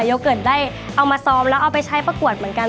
โยเกิร์ตได้เอามาซ้อมแล้วเอาไปใช้ประกวดเหมือนกัน